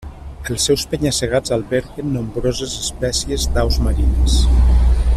Els seus penya-segats alberguen nombroses espècies d'aus marines.